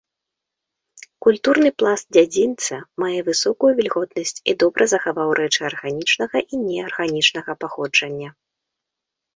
Культурны пласт дзядзінца мае высокую вільготнасць і добра захаваў рэчы арганічнага і неарганічнага паходжання.